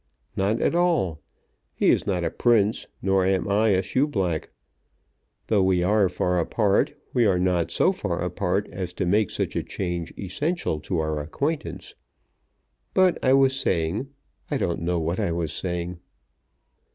"Not at all. He is not a prince nor am I a shoeblack. Though we are far apart, we are not so far apart as to make such a change essential to our acquaintance. But I was saying I don't know what I was saying."